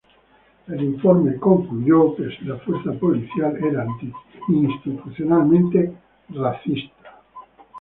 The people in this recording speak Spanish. El informe concluyó que el la fuerza policial era "institucionalmente racista".